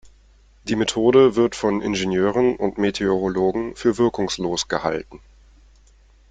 Die Methode wird von Ingenieuren und Meteorologen für wirkungslos gehalten.